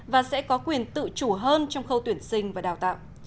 và sẽ có quyền tự chủ hơn trong khâu tuyển sinh và đào tạo